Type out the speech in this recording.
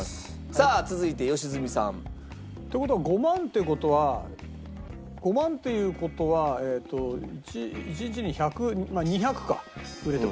さあ続いて良純さん。って事は５万って事は５万っていう事は１日に１００２００か売れても。